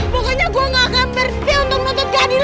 pokoknya gue gak akan berhenti untuk menuntut kehadilan